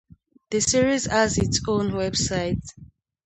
The series has its own website.